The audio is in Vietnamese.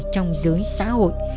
trong giới xã hội